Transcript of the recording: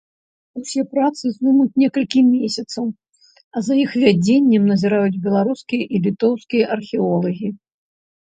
Усе працы зоймуць некалькі месяцаў, а за іх вядзеннем назіраюць беларускія і літоўскія археолагі.